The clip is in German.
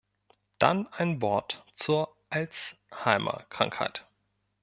Dann ein Wort zur Alzheimer-Krankheit.